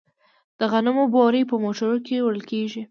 د غنمو بورۍ په موټرو کې وړل کیږي.